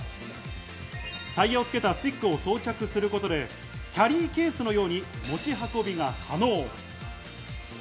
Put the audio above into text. タイヤを付けたスティックを装着することでキャリーケースのように持ち運びが可能。